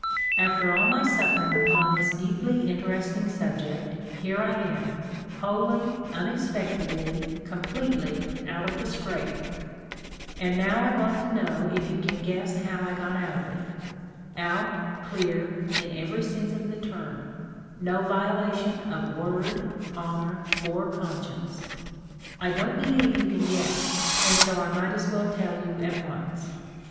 " After all my suffering upon this deeply interest ing subject, here I am, wholly, unexpectedly, com pletely, out of the ' scrape '; and now I want to know if you can guess how I got out of it — out, clear, in every sense of the term ; no violation of word, honor, or conscience. I don't believe you can guess, and so I might as well tell you at once.